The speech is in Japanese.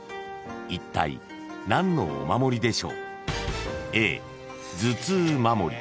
［いったい何のお守りでしょう？］